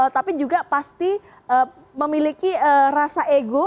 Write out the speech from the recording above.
tapi juga pasti memiliki rasa ego